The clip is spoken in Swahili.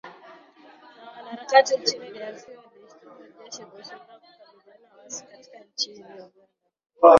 na wanaharakati nchini drc waishtumu jeshi kushindwa kuwakabili waasi kutoka nchini uganda